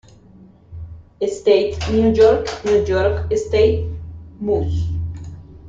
State New York New York State Mus.